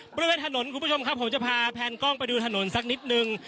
บริเวณถนนคุณผู้ชมครับผมจะพาแพนกล้องไปดูถนนสักนิดนึง